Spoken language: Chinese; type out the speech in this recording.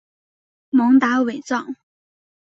蒙达韦藏。